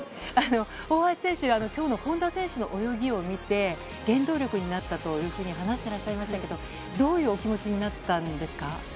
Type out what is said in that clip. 大橋選手、今日の本多選手の泳ぎを見て原動力になったと話していらっしゃいましたけどどういうお気持ちだったんですか？